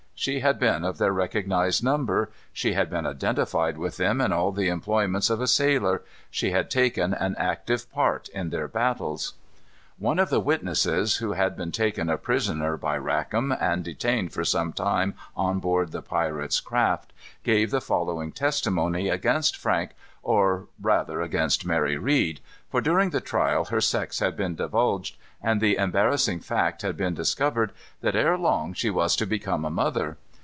She had been of their recognized number; she had been identified with them in all the employments of a sailor; she had taken an active part in their battles. One of the witnesses, who had been taken a prisoner by Rackam, and detained for some time on board the pirates' craft, gave the following testimony against Frank, or rather against Mary Read; for during the trial her sex had been divulged, and the embarrassing fact had been discovered that, ere long, she was to become a mother.